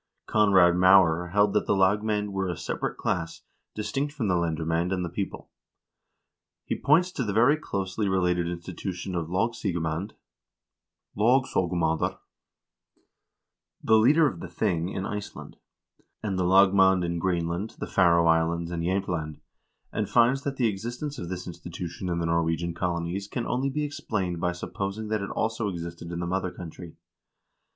1 Kon rad Maurer held that the lagmand were a separate class, distinct from the lendermcend and the people. He points to the very closely related institution of lovsigemand (logsogumadr), the leader of the thing in Iceland ; and the lagmand in Greenland, the Faroe Islands, and Jsemtland, and finds that the existence of this institution in the Norwegian colonies can only be explained by supposing that it also existed in the mother country.